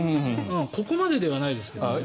ここまでではないですけど。